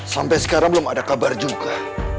sampai sekarang belum ada kabar juga